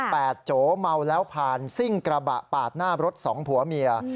โจเมาแล้วผ่านซิ่งกระบะปาดหน้ารถสองผัวเมีย